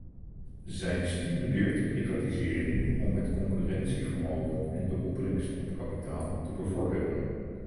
Zij stimuleert privatisering om het concurrentievermogen en de opbrengst op kapitaal te bevorderen.